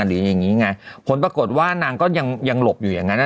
หรืออย่างงี้ไงผลปรากฏว่านางก็ยังยังหลบอยู่อย่างนั้นอ่ะ